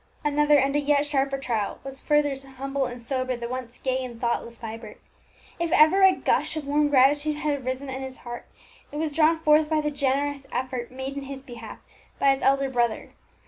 Another and a yet sharper trial was further to humble and sober the once gay and thoughtless Vibert. If ever a gush of warm gratitude had arisen in his heart, it was drawn forth by the generous effort made in his behalf by his elder brother.